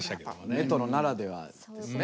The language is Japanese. メトロならではですね。